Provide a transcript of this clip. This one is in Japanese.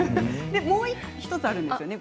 もう１つあるんですよね